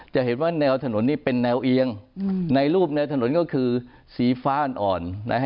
จะเห็นว่าแนวถนนนี่เป็นแนวเอียงในรูปแนวถนนก็คือสีฟ้าอ่อน